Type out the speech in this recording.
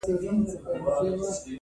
په دې دنيا کي ګوزاره وه ښه دى تېره سوله.